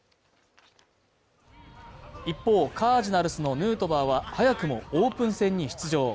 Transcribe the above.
一方、カージナルスのヌートバーは早くもオープン戦に出場。